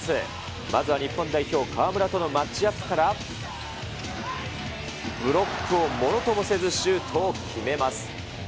まずは日本代表、河村とのマッチアップから、ブロックをものともせず、シュートを決めます。